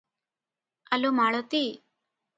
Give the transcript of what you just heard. ଆଲୋ ମାଳତୀ!